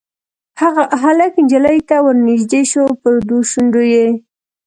هلک نجلۍ ته ورنیژدې شو پر دوو شونډو یې